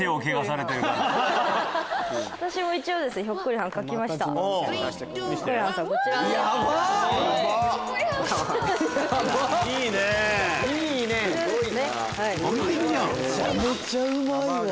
めちゃめちゃうまいわ！